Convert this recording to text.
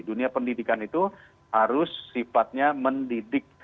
dunia pendidikan itu harus sifatnya mendidik